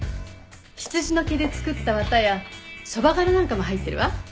羊の毛で作った綿やそば殻なんかも入ってるわ。